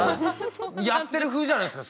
やってるふうじゃないですか